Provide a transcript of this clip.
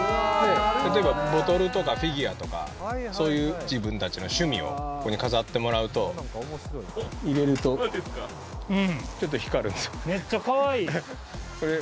例えば、ボトルとかフィギュアとか、そういう自分たちの趣味をここに飾ってもらうと、入れると、めっちゃかわいい。